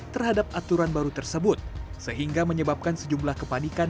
terhadap aturan baru tersebut sehingga menyebabkan sejumlah kepanikan